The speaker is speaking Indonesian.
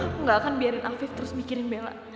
aku gak akan biarin afif terus mikirin bela